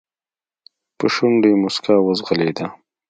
په شونډو يې موسکا وځغلېده.